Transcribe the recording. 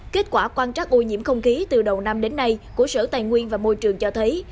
kết quả quan trắc ô nhiễm không khí từ đầu năm đến nay của sở tài nguyên và môi trường cho thấy